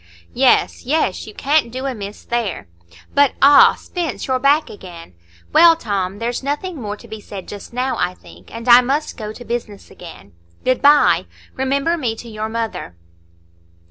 "Yes, yes, you can't do amiss there. But—Ah, Spence, you're back again. Well Tom, there's nothing more to be said just now, I think, and I must go to business again. Good by. Remember me to your mother."